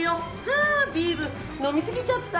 はあビール飲みすぎちゃった。